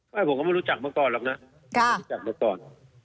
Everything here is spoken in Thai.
ผมก็ไม่รู้จักมาก่อนหรอกนะไม่รู้จักมาก่อน